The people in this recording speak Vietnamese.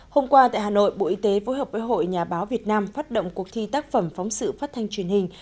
hôm qua tại hà nội bộ y tế phối hợp với hội nhà báo việt nam phát động cuộc thi tác phẩm phóng sự phát thanh truyền hình